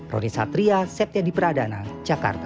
roni satria septia di pradana jakarta